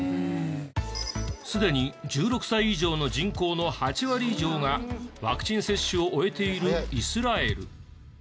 すでに１６歳以上の人口の８割以上がワクチン接種を終えているイスラエル。